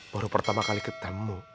baru pertama kali ketemu